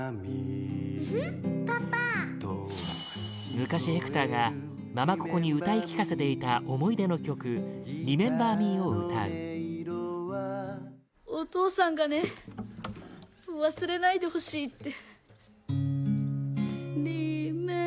昔ヘクターがママ・ココに歌い聴かせていた思い出の曲「リメンバー・ミー」を歌うミゲル：お父さんがね忘れないでほしいって。